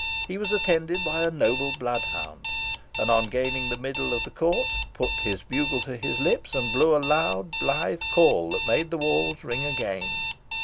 He was attended by a noble bloodhound, and on gaining the middle of the court, put his bugle to his lips, and blew a loud blithe call that made the walls ring again.